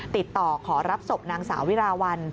ติดต่อขอรับศพนางสาววิราวัล